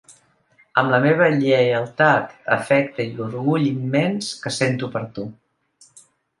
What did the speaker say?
Amb la meva lleialtat, afecte i l’orgull immens que sento per tu.